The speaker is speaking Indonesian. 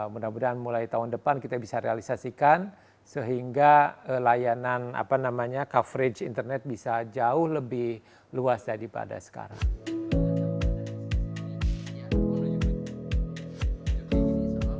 mudah mudahan mulai tahun depan kita bisa realisasikan sehingga layanan coverage internet bisa jauh lebih luas daripada sekarang